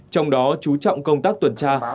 trong đó chú trọng công tác tuần truyền